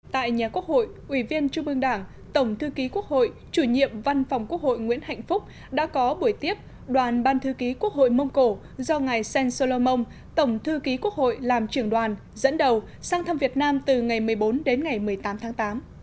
tại nhà quốc hội ủy viên trung ương đảng tổng thư ký quốc hội chủ nhiệm văn phòng quốc hội nguyễn hạnh phúc đã có buổi tiếp đoàn ban thư ký quốc hội mông cổ do ngài sen solomon tổng thư ký quốc hội làm trưởng đoàn dẫn đầu sang thăm việt nam từ ngày một mươi bốn đến ngày một mươi tám tháng tám